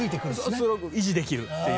そうそれを維持できるっていう。